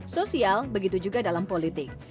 sosial begitu juga dalam politik